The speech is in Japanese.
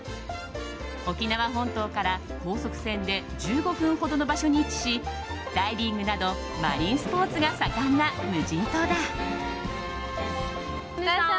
沖縄本島から高速船で１５分ほどの場所に位置しダイビングなどマリンスポーツが盛んな無人島だ。